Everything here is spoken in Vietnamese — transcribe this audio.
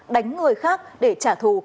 đánh người khác để trả thù